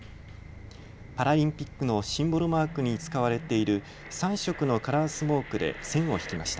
パラリンピックのシンボルマークに使われている３色のカラースモークで線を引きました。